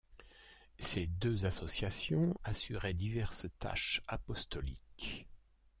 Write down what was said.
Ces deux associations assuraient diverses tâches apostoliques.